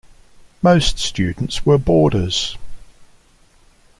Most students were boarders.